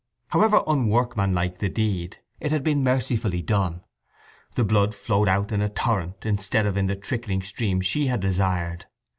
However unworkmanlike the deed, it had been mercifully done. The blood flowed out in a torrent instead of in the trickling stream she had desired.